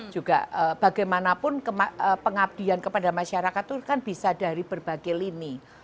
juga bagaimanapun pengabdian kepada masyarakat itu kan bisa dari berbagai lini